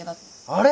あれ！？